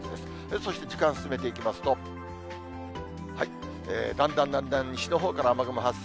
そして時間進めていきますと、だんだんだんだん西のほうから雨雲発生。